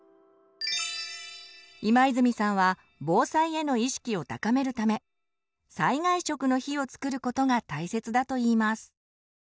今泉さんは防災への意識を高めるため「災害食の日」を作ることが大切だといいます。